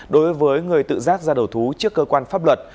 đối với người tự giác ra đầu thú trước cơ quan pháp luật